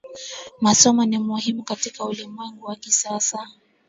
Masomo ni muhimu katika ulimwengu wa kisasa